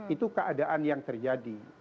itu keadaan yang terjadi